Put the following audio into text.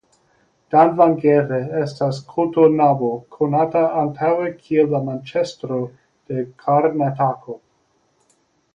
Davangere estas kotonnabo konata antaŭe kiel la Manĉestro de Karnatako.